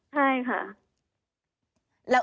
ใช่ค่ะ